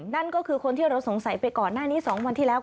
นั่นก็คือคนที่เราสงสัยไปก่อนหน้านี้๒วันที่แล้ว